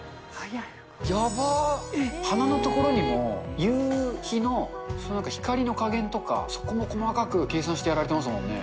やばっ、花のところにも、夕日の光の加減とか、そこも細かく計算してやられてますもんね。